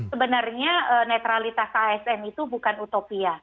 sebenarnya netralitas asn itu bukan utopia